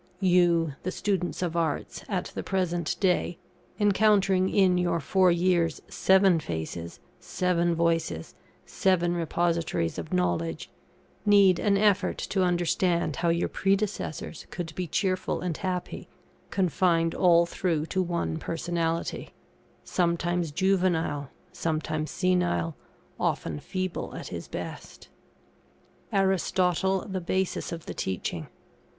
You, the students of Arts, at the present day, encountering in your four years, seven faces, seven voices, seven repositories of knowledge, need an effort to understand how your predecessors could be cheerful and happy, confined all through to one personality; sometimes juvenile, sometimes senile, often feeble at his best. [ARISTOTLE THE BASIS OF THE TEACHING.